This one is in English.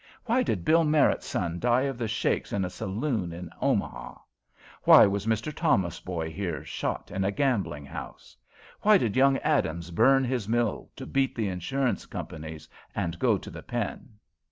Why did Bill Merrit's son die of the shakes in a saloon in Omaha? Why was Mr. Thomas's son, here, shot in a gambling house? Why did young Adams burn his mill to beat the insurance companies and go to the pen?"